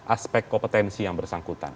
aspek kompetensi yang bersangkutan